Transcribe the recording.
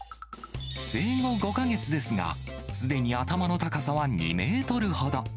生後５か月ですが、すでに頭の高さは２メートルほど。